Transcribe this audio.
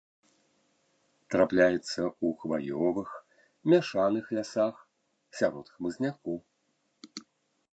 Трапляецца ў хваёвых, мяшаных лясах, сярод хмызняку.